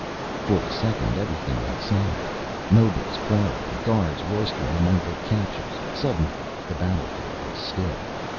For a second, everything went silent; nobles quarreling, guards roistering among the captures suddenly the battlefield was still.